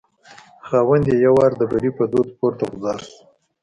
خاوند یې یو وار د بري په دود پورته غورځار شو.